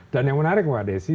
dan yang menarik pak desi